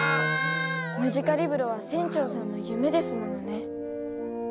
ムジカリブロは船長さんの夢ですものね。